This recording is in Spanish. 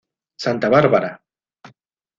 Santa Bárbara.